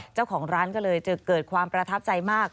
เจ้าของร้านก็เลยจะเกิดความประทับใจมาก